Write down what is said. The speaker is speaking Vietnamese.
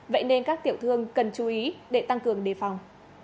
vậy nên các tiểu thương cần chú ý để tăng cường đề phòng